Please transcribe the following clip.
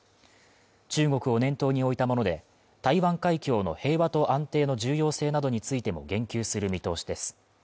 中国を念頭に置いたもので、台湾海峡の平和と安定の重要性などについても言及する見通しです。